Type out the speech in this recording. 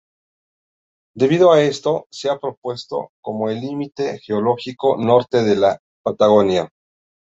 Debido a esto, se ha propuesto como el límite geológico norte de la Patagonia.